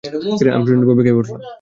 আমি প্রচণ্ডভাবে কেঁপে উঠলাম।